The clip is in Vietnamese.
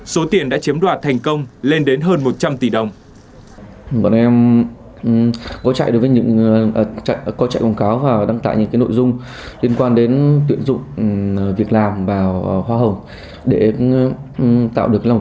số tiền đã chiếm đoạt thành công lên đến hơn một trăm linh tỷ đồng